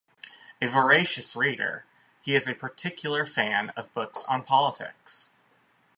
A voracious reader, he is a particular fan of books on politics.